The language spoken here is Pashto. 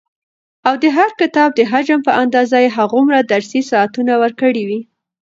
او د هر کتاب د حجم په اندازه يي هغومره درسي ساعتونه ورکړي وي،